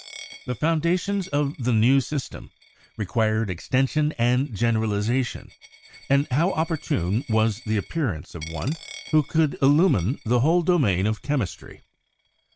The foundations of the new system required extension and generalization, and how opportune was the appearance of one who could illumine the whole domain of chemistry.